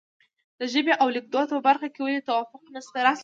د ژبې او لیکدود په برخه کې ولې توافق نشته.